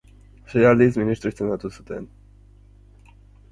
Sei aldiz, ministro izendatu zuten.